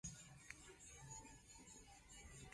Las aldeas y pueblos a menudo estaban ubicadas cerca de lagos.